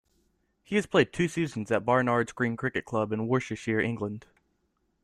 He has played two seasons at Barnards Green Cricket Club in Worcestershire, England.